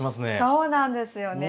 そうなんですよね。